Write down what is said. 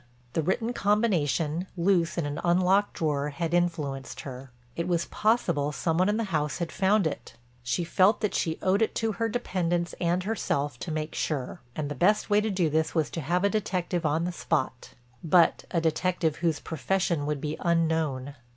The written combination, loose in an unlocked drawer, had influenced her; it was possible some one in the house had found it. She felt that she owed it to her dependents and herself to make sure. And the best way to do this was to have a detective on the spot—but a detective whose profession would be unknown.